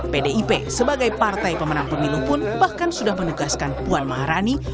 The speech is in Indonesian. pdip sebagai partai pemenang pemilu pun bahkan sudah menugaskan puan maharani